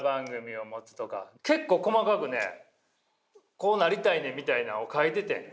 結構細かくねこうなりたいねみたいなんを書いててん。